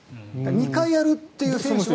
２回やるという選手は。